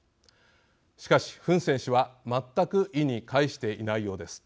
しかしフン・セン氏は全く意に介していないようです。